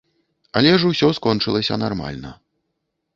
Але ж усё скончылася нармальна.